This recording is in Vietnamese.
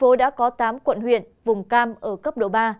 hà nội đã có tám quận huyện vùng cam ở cấp độ ba